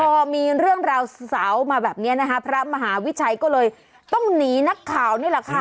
พอมีเรื่องราวเสามาแบบนี้นะคะพระมหาวิชัยก็เลยต้องหนีนักข่าวนี่แหละค่ะ